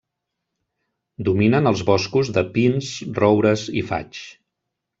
Dominen els boscos de pins, roures i faigs.